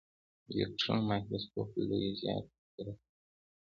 الکټرون مایکروسکوپ د لویولو زیات قدرت لري.